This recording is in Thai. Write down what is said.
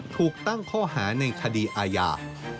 ถูกตั้งข้อหาในคดีอาญา